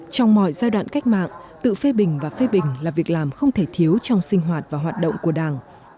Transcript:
trong mọi giai đoạn cách mạng tự phê bình và phê bình là việc làm không thể thiếu trong sinh hoạt và hoạt động của đảng